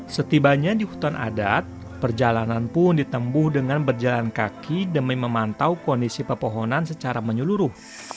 setibanya di hutan adat perjalanan pun ditempuh dengan berjalan kaki demi memantau kondisi pepohonan secara menyeluruh